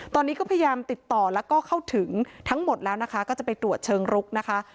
ตอนนี้ก็พยายามติดต่อแล้วก็เข้าถึงทั้งหมดแล้วนะคะก็จะไปตรวจเชิงรุกนะคะ